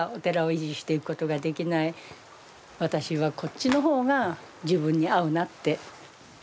私はこっちの方が自分に合うなって。